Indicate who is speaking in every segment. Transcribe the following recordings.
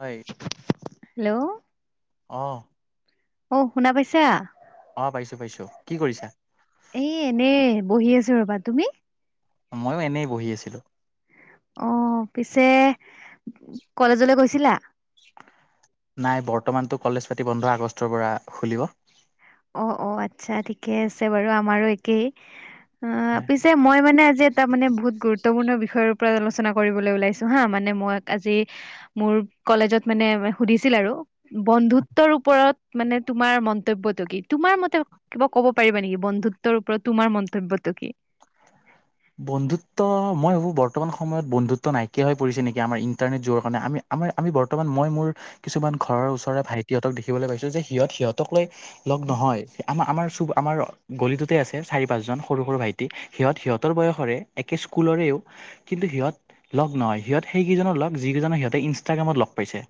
Speaker 1: হয়
Speaker 2: হেল্লো',
Speaker 1: অঁ
Speaker 2: অ শুনা পাইছা?
Speaker 1: অ পাইছো পাইছো, কি কৰিছা?
Speaker 2: এ এনেই বহি আছো ৰবা, তুমি?
Speaker 1: মইয়ো এনেই বহি আছিলোঁ।
Speaker 2: অ, পিছে কলেজলে গৈছিলা?
Speaker 1: নাই, বৰ্তমানতটো কলেজ পাতি বন্ধ, আগষ্টৰ পৰা খুলিব।
Speaker 2: অ, অ, আতচ্ছা ঠিকে আছে বাৰু, আমাৰো একেই। অ,
Speaker 1: হয়
Speaker 2: পিছে মই মানে আজি এটা মানে বহুত গুৰুত্ব গুত্বপূৰ্ণ বিষয়ৰ ওপৰত আলোচনা কৰিবলৈ ওলাইছো হা, মানে মই আজি মোৰ কলেজত মানে সুধিছিল আৰু। বন্ধুত্বৰ ওপৰত মানে তোমাৰ মন্তব্য কি, তোমাৰ মতে কিবা ক'ব পাৰিবা নেকি? বন্ধুত্বৰ ওপৰত তোমাৰ মন্তব্যতটো কি?
Speaker 1: বন্ধুত্ব, মই ভাবো বৰ্তমান সময়ত বন্ধুত্ব নাইকিয়া হৈ পৰিছে নেকি? আমাৰ ইণ্টাৰনেট যোৱাৰ কাৰণে আমি আমাৰ আমি বৰ্তমান মই মোৰ কিছুমান ঘৰৰ ওচৰৰে ভাইটি হঁতক দেখিবলৈ পাইছো যে, সিহঁত, সিহঁতক লৈ লগ নহয়। আমাৰ, আমাৰ চুব আমাৰ, গলিটোতে আছে, চাৰি পাঁচজন সৰু- সৰু ভাইটি সিহঁত, সিহঁত সিহঁতৰে বয়সৰে, একে স্কুলৰেও কিন্তু সিহঁত লগ নহয়। সিহঁত সেইকেইজনৰ লগ যিকেইজনৰ সিহঁতে ইনষ্টাগ্ৰামত লগ পাইছে।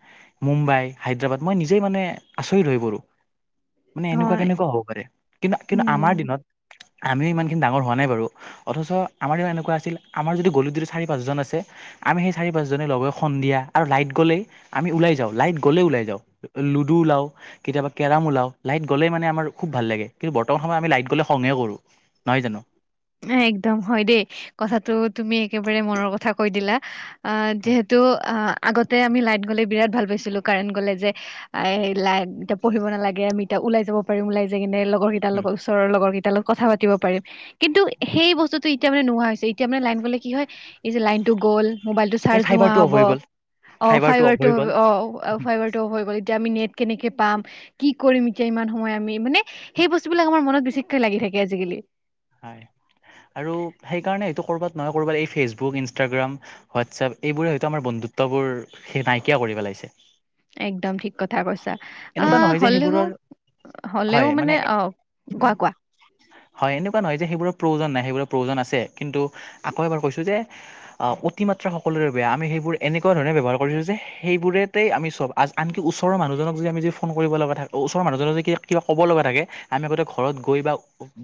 Speaker 1: মুম্বাই, হায়দৰাবাদ, মই নিজেই মানে আচৰিত হৈ পৰো। মানে এনেকুৱা,
Speaker 2: হয়
Speaker 1: কেনেকুৱা হ'ব পাৰে? কিন্তু- কিন্তু আমাৰ
Speaker 2: উম
Speaker 1: দিনত, আমিও ইমানখিনি ডাঙৰ হোৱা নাই বাৰু। অথচ, আমাৰ এনেকুৱা আছিল, আমাৰ যদি গলিটোত যদি চাৰি পাঁচজন আছে। আমি সেই চাৰি, পাঁচজনে লগ, সন্ধিয়া আৰু লাইট গ'লে আমি ওলাই যাওঁ, লাইট ওলাই যাওঁ। লুডু ওলাও কেতিয়াবা কেৰাম ওলাও। লাইট গ'লেই মানে আমাৰ খুব ভাল লাগে। কিন্তু বৰ্তমান সময়ত আমি লাইট গ'লে খংহে কৰো। নহয় জানো?
Speaker 2: একদম হয় দেই। কথাটো তুমি একেবাৰে মনৰ কথা কৈ দিলা। অ, যিহেতু আগতে আমি লাইট গ'লে বিৰাট ভাল পাইছিলো। কাৰেণ্ট গ'লে যে এই লাইট, এতিয়া পঢ়িব নালাগে। আমি এতিয়া ওলাই যাব পাৰিম। ওলাই যায় কিনে লগ লগৰ কেইটাৰ লগত, ওচৰৰ লগৰ কেইটাৰ লগত কথা পাতি পাৰিম। কিন্তু সেই বস্তুতটো এতিয়া মানে নোহোৱা হৈছে। এতিয়া মানে লাইন গ'লে কি হয়। এতিয়া লাইনটো গ'ল। মোবাইলটো
Speaker 1: এই
Speaker 2: চাৰ্জ নোহোৱা
Speaker 1: ফাইবাৰটো অফ
Speaker 2: হ'ব।
Speaker 1: হৈ গ'ল অফ
Speaker 2: ফাইবাৰটো
Speaker 1: হৈ গ'ল
Speaker 2: অ, অফ, অ, ফাইভাৰটো অফ হৈ গ'ল, এতিয়া আমি নেট কেনেকৈ পাম? কি কৰিম এতিয়া, ইমান সময় আমি, মানে সেই বস্তু বিলাক আমাৰ মনত বেচিকৈ লাগি থাকে আজিকালি।
Speaker 1: হয়, আৰু সেইকাৰণে এইটো কৰবাত নহয়, কৰবাত এই ফেচবুক ইনষ্টাগ্ৰাম হোৱাটছএপ, এইবোৰে হয়তো আমাৰ বন্ধুত্ববোৰ, সেই নাইকিয়া কৰি পেলাইছে।
Speaker 2: একদম ঠিক কথা কৈছা। অ,
Speaker 1: এনেকুৱা নহয় যে
Speaker 2: হ'লেও,
Speaker 1: সেইবোৰৰ
Speaker 2: হ'লেও মানে অ, কোৱা কোৱা?
Speaker 1: হয়, এনেকুৱা নহয় যে, সেইবোৰৰ প্ৰয়োজন নাই, সেইবোৰৰ প্ৰয়োজন আছে। কিন্তু আকৌ এবাৰ কৈছোঁ যে অতিমাত্ৰা সকলোৰে বেয়া, আমি সেইবোৰ এনেকুৱা ধৰণে ব্যৱহাৰ কৰিছোঁ যে, সেইবোৰতেই আমি চব আনকি ওচৰ মানুহজনক আমি যদি ফোন কৰিব লগা থাকে। ওচৰৰ মানুহ যদি কিবা, ক'ব লগা থাকে আমি আগতে ঘৰত গৈ বা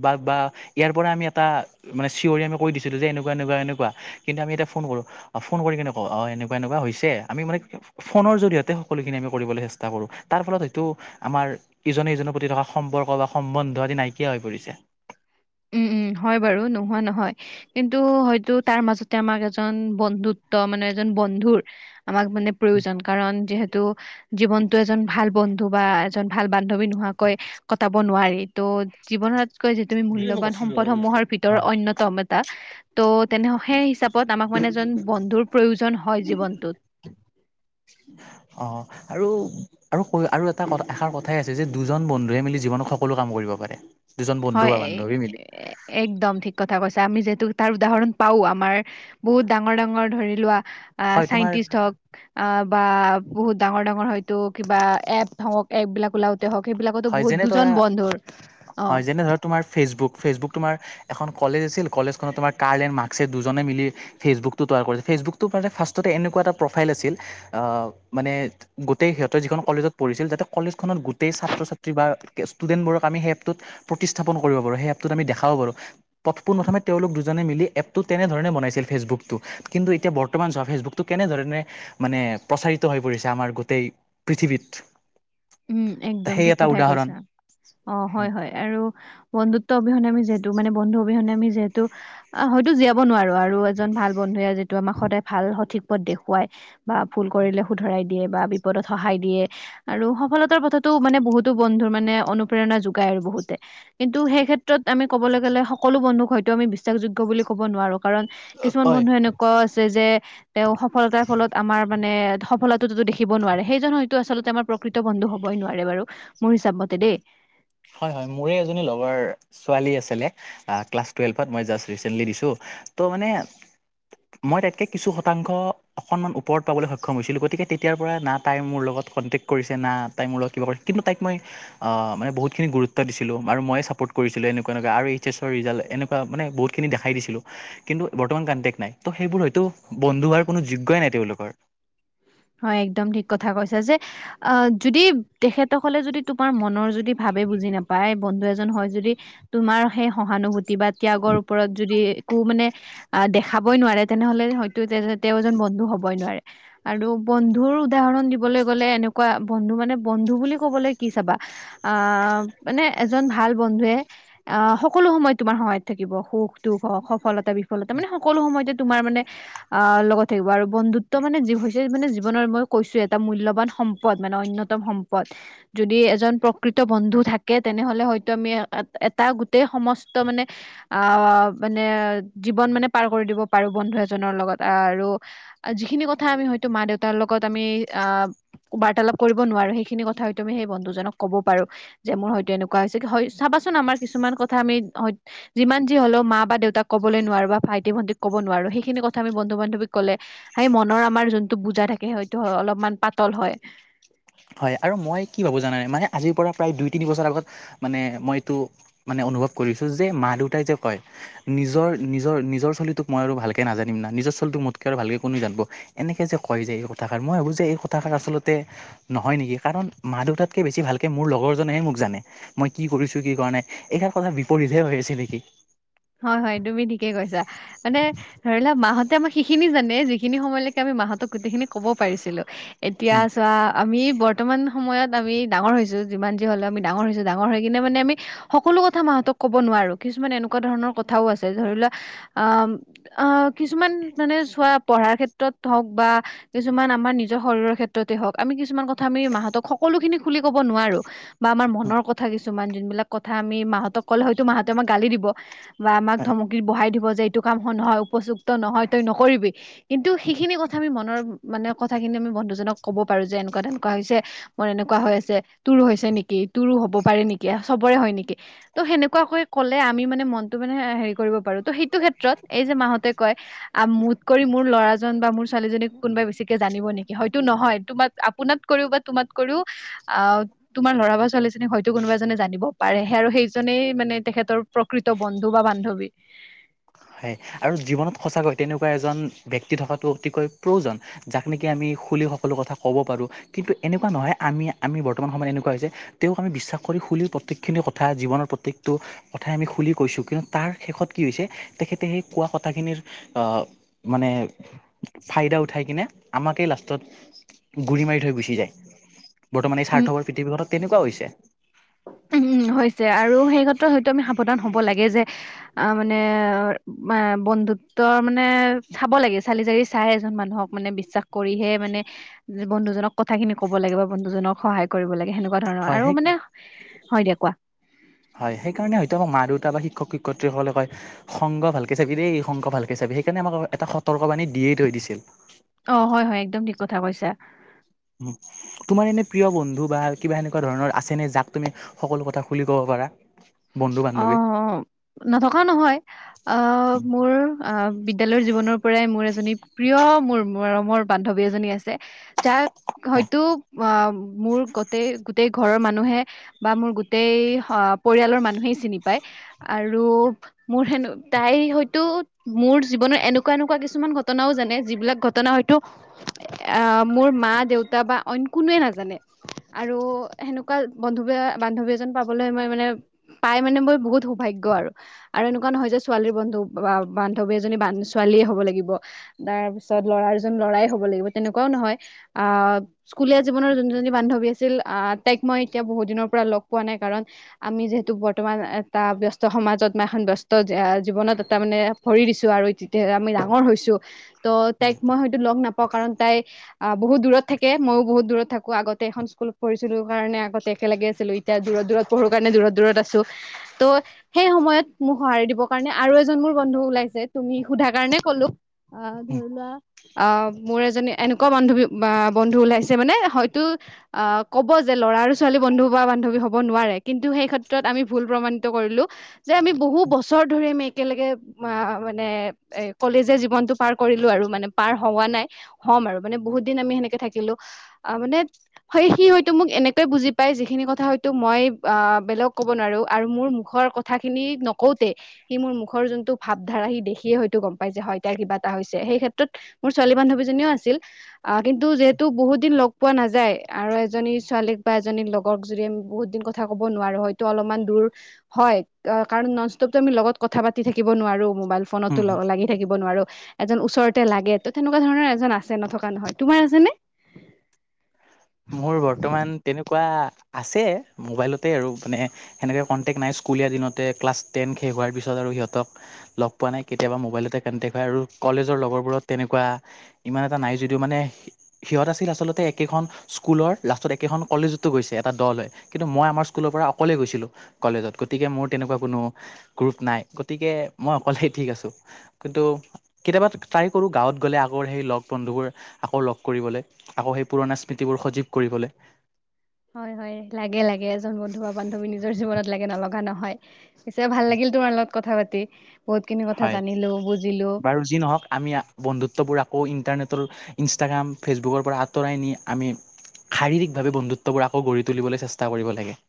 Speaker 1: বা, বা ইয়াৰ পৰা আমি এটা মানে চিঞৰি আমি কৈ দিছিলো। যে এনেকুৱা, এনেকুৱা, এনেকুৱা। কিন্তু আমি এতিয়া ফোন কৰো। ফোন কৰি কেনেকুৱা অ, এনেকুৱা, এনেকুৱা হৈছে। আমি মানে ফোনৰ জৰিয়তে সকলোখিনি আমি কৰিবলৈ চেষ্টা কৰো। তাৰ ফলত আমাৰ ইজনে-সিজনৰ প্ৰতি থকা সম্পৰ্ক বা সম্বন্ধ নাইকিয়া হৈ পৰিছে।
Speaker 2: উম, উম, হয় বাৰু নোহোৱা নহয়। কিন্তু হয়তো, তাৰ মাজতে আমাক এজন বন্ধুত্ব মানে, এজন বন্ধুৰ আমাক মানে প্ৰয়োজন। কাৰণ যিহেতু জীৱনটো এজন ভাল বন্ধু বা বান্ধৱী নোহোৱাকৈ কটাব নোৱাৰি। জীৱনতকৈ তুমি
Speaker 1: এই
Speaker 2: মূল্য
Speaker 1: মই কৈছিলোঁ আৰু এক্সট্ৰা।
Speaker 2: সম্পদসমূহৰ ভিতৰত
Speaker 1: অ',
Speaker 2: অন্যতম এটা, তো এনে সেই হিচাপত আমাক মানে যোন ব ন্ধুৰ প্ৰয়োজন হয় জীৱনটোত।
Speaker 1: অহ আৰু আৰু ক আৰু এটা এষাৰ কথাই আছে যে দুজন বন্ধুৱে মিলি জীৱনত সকলো কাম কৰিব পাৰে। দুজন
Speaker 2: হয়
Speaker 1: বন্ধু বা
Speaker 2: এ-
Speaker 1: বান্ধৱী মিলি।
Speaker 2: এ- একদম ঠিক কথা কৈছা আমি যিহেতু তাৰ উদাহৰণ পাও আমাৰ বহুত ডাঙৰ ডাঙৰ ধৰি লোৱা আ
Speaker 1: হয় তোমাৰ
Speaker 2: চাইন্টিষ্ট হওক আ বা বহুত ডাঙৰ ডাঙৰ হয়তো কিবা এপ হওঁক এপ বিলাক ওলাওঁ তে হওঁক সেইবিলাকতো
Speaker 1: হয়
Speaker 2: বহুত
Speaker 1: যেনে
Speaker 2: দুজন
Speaker 1: ধৰা
Speaker 2: বন্ধুৰ অ
Speaker 1: হয় যেনে ধৰা তোমাৰ ফেচবুক ফেচবুক তোমাৰ এখন কলেজ আছিল কলেজখনত তোমাৰ কাৰ্ল এণ্ড মাক্সে দুজনে মিলি ফেচবুকটো তৈয়াৰ কৰিছে ফেচবুকটো মানে ফাৰ্ষ্টতে এনেকুৱা এটা প্ৰফাইল আছিল আহ মানে গোটেই সিহঁতে যিখন কলেজত পঢ়িছিল তাতে কলেজ খনত গোটেই ছাত্ৰ ছা ত্ৰী বা ষ্টুডেন্টবোৰক আমি সেই এপটোত প্ৰতিস্থাপন কৰিব পাৰোঁ সেই এপটোত আমি দেখাব পাৰোঁ। পোন প্ৰথমে তেওঁলোক দুজনে মিলি এপটো তেনেধৰণে বনাইছিল ফেচবুকটো কিন্তু এতিয়া বৰ্তমান যোৱা ফেচবুক টো কেনেধৰণে মানে প্ৰচাৰিত হৈ পৰিছে আমাৰ গোটেই পৃথিৱীত
Speaker 2: উম একদম
Speaker 1: সেই
Speaker 2: ঠিক
Speaker 1: এটা
Speaker 2: কথাই
Speaker 1: উদাহৰণ
Speaker 2: কৈছা। অ হয় হয় আৰু বন্ধুত্ব অবিহনে আমি যিহেতু মানে বন্ধু অবিহনে আমি যিহেতু অ হয়তো জীয়াব নোৱাৰো আৰু এজন ভাল বন্ধুৱে যিটো আমাক সদায় ভাল সঠিক পথ দেখুৱাই বা ভুল কৰিলে শুধৰাই দিয়ে বা বিপদত সহায় দিয়ে আৰু সফলতাৰ পথতো মানে বহুতো বন্ধুৰ মানে অনুপ্ৰৰণা যোগায় আৰু বহুতে কিন্তু সেই ক্ষেত্ৰত আমি ক'বলৈ গ'লে সকলো বন্ধুক হয়তো আমি বিশ্বাসযোগ্য বুলি ক'ব নোৱাৰো কাৰণ কিছুমান
Speaker 1: হয়
Speaker 2: বন্ধু এনেকুৱাও আছে যে তেওঁ সফলতাৰ ফলত আমাৰ মানে সফলতাতো দেখিব নোৱাৰে সেইজন হয়তো আচলতে আমাৰ প্ৰকৃত বন্ধু হবই নোৱাৰে বাৰু মোৰ হিচাপ মতে দেই
Speaker 1: হয় হয় মোৰে এজনী লগৰ ছোৱালী আছিলে আ ক্লাছ টুৱেলভত মই জাষ্ট ৰিচেণ্টলি দিছো ত' মানে মই তাইতকৈ কিছু শতাংশ অকণমান ওপৰত পাবলৈ সক্ষম হৈছিলোঁ গতিকে তেতিয়াৰ পৰা না তাই মোৰ লগত কনটেক্ট কৰিছে না তাই মোৰ লগত কিবা কৰি কিন্তু তাইক মই মানে বহুত খিনি গুৰুত্ব দিছিলোঁ আৰু মই চাপ'ৰ্ট কৰিছিলোঁ এনেকুৱা এনেকুৱা আৰু এইছ এছৰ ৰিজাল্ট এনেকুৱা মানে বহুতখিনি দেখাই দিছিলোঁ। কিন্তু বৰ্তমান কনটেক্ট নাই ত' সেইবোৰ হয়তো বন্ধু হোৱাৰ কোনো যোগ্যই নাই তেওঁলোকৰ
Speaker 2: হয় একদম ঠিক কথা কৈছা যে আ যদি তেখেতসকলে যদি তোমাৰ মনৰ যদি ভাৱে বুজি নাপায় বন্ধু এজন হয় যদি তোমাৰ সেই সহানুভূতি বা ত্যাগৰ ওপৰত যদি একো মানে অ দেখাবই নোৱাৰে তেনেহলে হয়তো তেওঁ এজন বন্ধু হবই নোৱাৰে আৰু বন্ধুৰ উদাহৰণ দিবলৈ গ'লে এনেকুৱা বন্ধু মানে বন্ধু বুলি কবলৈ কি চাবা আ মানে এজন ভাল বন্ধুৱে অ সকলো সময়ত তোমাৰ সহায়ত থাকিব সুখ দুখ হওঁক সফলতা বি- ফলতা মানে সকলো সময়তে তোমাৰ মানে অ লগত থাকিব আৰু বন্ধুত্ব মানে যি যে মানে জীৱনৰ মই কৈছোয়ে এটা মূল্যবান সম্পদ মানে অন্যতম সম্পদ যদি এজন প্ৰকৃত বন্ধু থাকে তেনেহলে হয়তো আমি এটা গোটেই সমস্ত মানে আহ মানে জীৱন মানে পাৰ কৰি দিব পাৰো বন্ধু এজনৰ লগত আহ আৰু যিখিনি কথা আমি হয়তো মা দেউতাৰ লগত আমি আ বাৰ্তালাপ কৰিব নোৱাৰো সেইখিনি কথা হয়তো আমি সেই বন্ধুজনক ক'ব পাৰো যে মোৰ হয়তো এনেকুৱা হৈছে হয় চাবাচোন আমাৰ কিছুমান কথা আমি হয় যিমান যি হলেও মা বা দেউতাক ক'বলৈ নোৱাৰো বা ভাইটি ভণ্টিক ক'ব নোৱাৰো সেইখিনি কথা আমি বন্ধু বান্ধৱীক কলে সেই মনৰ আমাৰ যোনটো বোজা থাকে হয়টো হ অলপমান পাতল হয়
Speaker 1: হয় আৰু মই কি ভাবোঁ জানানে মানে আজিৰ পৰা প্ৰায় দুই তিনি বছৰ আগত মানে মই এইটো মানে অনুভৱ কৰিছো যে দেউতাই যে কয় নিজৰ নিজৰ নিজৰ চলীটোক মই আৰু ভালকৈ নাজানিম না নিজৰ চলীটোক মোতকে আৰু ভালকে কোনে জানিব এনেকে যে কয় যে এই কথাষাৰ মই ভাবোঁ যে এই কথাষাৰ আচলতে নহয় নেকি কাৰণ মা দেউতাতকে বেছি ভালকে মোৰ লগৰজনেহে মোক জানে মই কি কৰিছো কি কৰা নাই এইষাৰ কথা বিপৰীতহে হৈ আছে নিকি
Speaker 2: হয় হয় তুমি ঠিকেই কৈছা মানে ধৰিলোৱা মাহঁতে আমাক সিখিনি জানে যিখিনি সময়লৈকে আমি মাহতক গোটেইখিনি কব পাৰিছিলো এতিয়া চোৱা আমি বৰ ৰ্তমান সময়ত আমি ডাঙৰ হৈছোঁ যিমান যি হ'লেও আমি ডাঙৰ হৈছো ডাঙৰ কিনে মানে আমি সকলো কথা মাহতক কব নোৱাৰো কিছুমান এনেকুৱা ধৰণৰ কথাও আছে ধৰি লোৱা আম আ কিছুমান মানে চোৱা পঢ়াৰ ক্ষেত্ৰত হওক বা কিছুমান আমাৰ নিজ শৰীৰৰ ক্ষেত্ৰতে হওক আমি কিছুমান কথ থা আমি মাহতক সকলো খিনি খুলি ক'ব নোৱাৰো বা আমাৰ মনৰ কথা কিছ ছুমান যোনিলাক কথা আমি মাহতক ক'লে হয়তো মাহঁতে আমাক গালি দিব বা আমাক ধমকিত বহাই দিব যে এইটো কাম নহয় উপযুক্ত নহয় তই নকৰিবি কিন্তু সেইখিনি কথা আমি মনৰ মানে কথাখিনি আমি বন্ধুজনক পাৰো যে এনেকুৱা তেনেকুৱা হৈছে মোৰ এনেকুৱা হৈ আছে তোৰো হৈছে নেকি তোৰো হব পাৰে নেকি আ চবৰে হয় নেকি ত' সেনেকুৱাকৈ ক'লে আম মি মানে মনটো মানে হেৰি কৰিব পাৰো ত সেইটো ক্ষেত্ৰত এই যে মাহতে কয় আ মোত কৰি মোৰ ল'ৰাজন বা মোৰ ছোৱালীজনীক কোনোবাই বেছিকে জানিব নেকি হয়তো নহয় তোমাক আপোনাত কৰিও বা তোমাত কৰিও আহ তোমাৰ লৰা বা ছোৱালীজনী হয়তো কোনোবা এজনে জানিব পাৰে হে আৰু সেইজনেই মানে তেখেতৰ প্ৰকৃত বন্ধু বা বান্ধৱী
Speaker 1: হয় আৰু জীৱনত সঁচাকৈ তেনেকুৱা এজন ব্যক্তি থকাটো অতিকৈ প্ৰউজন যাক নেকি আমি খুলি সকলো কথা পাৰোঁ কিন্তু এনেকুৱা নহয় আমি আমি বৰ্তমান সময়ত এনেকুৱা হৈ যে তেওঁক আমি বিশ্বাস কৰি খোলিৰ প্ৰতেইকখিনি কথা জীৱনৰ প্ৰত্যেকটো কথাই আমি খুলি কৈছো কিন্তু তাৰ শেষত কি হৈছে তেখেতে সেই কোৱা কথাখিনিৰ অ মানে ফাইদা উঠাই কিনে আমাকেই লাষ্টত গুৰি মাৰি থৈ গুচি যায় বৰ্তমান এই
Speaker 2: উম,
Speaker 1: স্বাৰ্থবৰ পৃথিৱীখনত তেনেকুৱা হৈছে
Speaker 2: উ হৈছে আৰু সেই ক্ষেত্ৰত হয়তো আমি সাৱধান হব লাগে যে আ মানে আ বন্ধুত্বৰ মানে চাব লাগে চালি জাৰি চাই এজন মানুহক মানে বিশ্বাস কৰিহে মানে যে বন্ধুজনক কথা খিনি ক'ব লাগে বা বন্ধুজনক সহায় কৰিব লাগে সেনেকুৱা ধৰণৰ
Speaker 1: হয়
Speaker 2: আৰু
Speaker 1: সেই
Speaker 2: মানে হয় দিয়া কোৱা
Speaker 1: হয় সেইকাৰণে হয়তো আমাক মা দেউতা বা শিক্ষক শিক্ষয়িত্ৰীসকলে কয় সংগ ভালকে চাবি দেই সংগ ভালকে চাবি সেইকাৰণে আমাক এটা সতৰ্কবাণী দিয়েই থৈ দিছিল
Speaker 2: অ হয় হয় একদম ঠিক কথা কৈছা
Speaker 1: উ তোমাৰ এনে প্ৰিয় বন্ধু বা কিবা এনেকুৱা ধৰণৰ আছে নে যাক তুমি সকলো কথা খুলি ক'ব পাৰা বন্ধু বান্ধৱীক
Speaker 2: নথকাও নহয় অ মোৰ অ বিদ্যালয়ৰ জীৱনৰ পৰাই মোৰ এজনী প্ৰিয় মোৰ মৰমৰ বান্ধৱী এজনী আছে যাক হয়তো অ মোৰ গটেই গোটেই ঘৰৰ মানুহে বা মোৰ গোটেই অঁ, পৰিয়ালৰ মানুহেই চিনি পায় আৰু- মোৰ হেন তাই হয়তো মোৰ জীৱনৰ এনেকুৱা এনেকুৱা কিছুমান ঘটনাও জানে যিবিলাক ঘট- ঘটনা হয়তো মোৰ মা -দেউতা বা অইন কোনোৱে নাজানে। আৰু সেনেকুৱা বন্ধুৱে বান্ধৱী এজন পাবলৈ মই মানে- পাই মানে মই বহুত সৌভাগ্য আৰু। আৰু এনেকুৱা নহয় যে ছোৱালীৰ বন্ধু বান্ধৱী এজনী ছোৱালীয়ে হ'ব লাগিব। তাৰপিছত ল'ৰাৰ জন ল'ৰাই হ'ব লাগিব তেনেকুৱাও নহয়। আহ- স্কুলীয়া জীৱনৰ যোনজনী বান্ধৱী আছিল আহ তাইক মই এতিয়া বহুত দিনৰ লগ পোৱা নাই। কাৰণ- আমি যিহেতু বৰ্ত- বৰ্তমান এটা ব্যস্ত সমাজত মই এখন ব্যস্ত জীৱনত এটা মানে ভৰি দিছো আৰু। আমি ডাঙৰ হৈছো। ত'
Speaker 1: উম,
Speaker 2: তাইক মই হয়তো লগ নাপাওঁ কাৰণ তাই- অঁ, বহুত দূৰত থাকে, মইও বহুত দূৰত থাকো। আগতে এখন স্কুলত পঢ়িছিলো কাৰণে আগতে একেলগে আছিলোঁ। এতিয়া দূৰত দূৰত পঢ়ো কাৰণে দূৰত দূৰত আছোঁ। ত' সেই সময়ত মোক সঁহাৰি দিবৰ কাৰণে আৰু এজন মোৰ বন্ধু ওলাইছে তুমি সোধা কাৰণে ক'লো। অঁ,
Speaker 1: উম,
Speaker 2: ধৰি লোৱা- আহ মোৰ এজনী এনেকুৱা বান্ধৱী বা বন্ধু ওলাইছে মানে হয়তো- আহ কব যে ল'ৰা আৰু ছোৱালী বন্ধু বা বান্ধৱী হব নোৱাৰে কিন্তু সেই ক্ষেত্ৰত আমি- ভুল প্ৰমাণিত কৰিলো যে আমি বহু বছৰ ধৰি আমি একেলগে- অঁ, মানে এ কলেজীয়া জীৱনতটো পাৰ কৰিলো আৰু মানে পাৰ হোৱা নাই- হ'ম আৰু মানে বহুত দিন আমি সেনেকে থাকিলো। আহ মানে- হয়, সি হয়তো মোক এনেকে বুজি পায় যিখিনি কথা হয়তো মই অঁ, বেলেগক ক'ব নোৱাৰো- আৰু মোৰ মুখৰ কথাখিনি নকওঁতে- সি মোৰ মুখৰ যোনটো ভাৱধাৰা, সি দেখিয়ে হয়তো গম পায় যে তাৰ কিবা এটা হৈছে। সেই ক্ষেত্ৰত- মোৰ ছোৱালী বান্ধৱীজনীও আছিল। অঁ, কিন্তু যিহেতু বহুত দিন লগ পোৱা নাযায় আৰু এজনী ছোৱালীক বা এজনী লগক যুৰি আমি বহুত দিন- কথা ক'ব নোৱাৰো, হয়তো অলপমান- দূৰ হয়। কাৰণ নন স্তুপ আমি লগত কথা পাতি থাকিব নোৱাৰো, মোবাইল ফোনো
Speaker 1: উম,
Speaker 2: লাগি- থাকিব নোৱাৰো। এজন ওচৰতে লাগে, ত তেনেকুৱা ধৰণৰ এজন আছে নথকা নহয়, তোমাৰ আছেনে?
Speaker 1: মোৰ বৰ্তমান তেনেকুৱা আছে মোবাইলতে আৰু মানে- সেনেকে কণ্টেক্ট নাই। স্কুলীয়া দিনতে ক্লাছ টেন শেষ হোৱাৰ পিছত আৰু সিহঁতক - লগ পোৱা নাই, কেতিয়াবা মোবাইলতে কানটেক্ট হয় আৰু কলেজৰ লগৰবোৰত তেনেকুৱা- ইমান এটা নাই যদিও মানে সিহঁত আছিল একেখন- স্কুলৰ লাষ্টত একেখন কলেজতো গৈছে এটা দল হৈ, কিন্তু মই আমাৰ স্কুলৰ পৰা অকলেই গৈছিলোঁ- কলেজত। গতিকে মোৰ তেনেকুৱা কোনো গ্ৰুপ নাই, গতিকে মই অকলেই ঠিক আছো। কিন্তু- কেতিয়াবা ট্ৰাই কৰোঁ গাঁৱত গ'লে আকৌ সেই লগ বন্ধুবোৰ আকৌ লগ কৰিবলৈ আকৌ সেই পুৰণা- স্মীতিবোৰ সজীৱ কৰিবলে।
Speaker 2: হয়- হয়, লাগে- লাগে এজন বন্ধু বা বান্ধৱী নিজৰ জীৱনত লাগে। নহয়। পিছে ভাল লাগিল তোমাৰ লগত কথা পাতি, বহুত খিনি কথা
Speaker 1: হয়
Speaker 2: জানিলো, বুজিলো।
Speaker 1: বাৰু যি নহওঁক আমি বন্ধুত্ববোৰ আকৌ ইণ্টাৰনেটৰ- ইনষ্টাগ্ৰাম, ফেচবুকৰ পৰা আঁতৰাই নি আমি- শাৰীৰিকভাৱে বন্ধুত্ববোৰ আকৌ গঢ়ি তুলিবলৈ চেষ্টা কৰিব লাগে।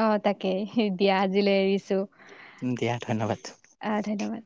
Speaker 2: অঁ, তাকে এ দিয়া আজিলৈ এৰিছোঁ।
Speaker 1: উম, দিয়া ধন্যবাদ।
Speaker 2: অঁ, ধন্যবাদ।